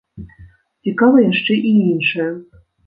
Цікава яшчэ і іншае.